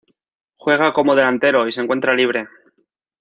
Juega como delantero y se encuentra libre.